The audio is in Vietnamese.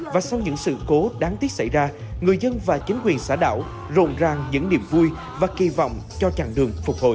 và sau những sự cố đáng tiếc xảy ra người dân và chính quyền xã đảo rộn ràng những niềm vui và kỳ vọng cho chặng đường phục hồi